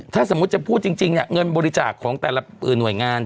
ถ้าสมมุติจะพูดจริงจริงเนี้ยเงินบริจาคของแต่ละเอ่อหน่วยงาน